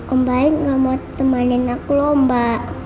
om baik nggak mau temanin aku lomba